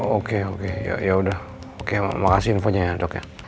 oke oke yaudah makasih infonya ya dok ya